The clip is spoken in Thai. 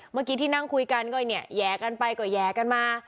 เมื่อกี้ที่นั่งคุยกันก็แยกกันไปก็แยกกันมา